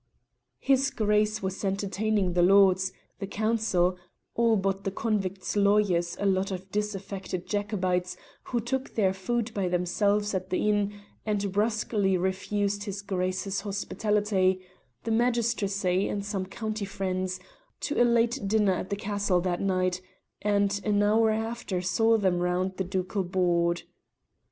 His Grace was entertaining the Lords, the Counsel (all but the convict's lawyers a lot of disaffected Jacobites, who took their food by themselves at the inn, and brusquely refused his Grace's hospitality), the magistracy, and some county friends, to a late dinner at the castle that night, and an hour after saw them round the ducal board.